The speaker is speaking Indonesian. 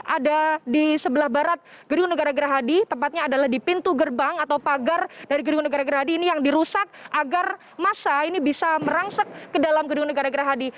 ada di sebelah barat gedung negara gerahadi tepatnya adalah di pintu gerbang atau pagar dari gedung negara gerahadi ini yang dirusak agar masa ini bisa merangsek ke dalam gedung negara gerahadi